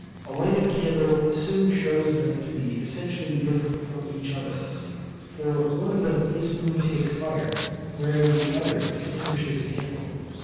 A lighted candle soon shews them to be essentially different from each other. For one of them instantly takes fire, whereas the other extinguishes a candle.